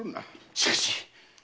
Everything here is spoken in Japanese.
しかし！